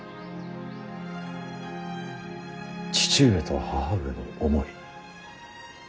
父上と義母上の思い